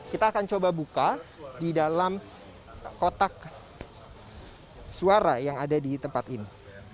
kita akan coba buka di dalam kotak suara yang ada di tempat ini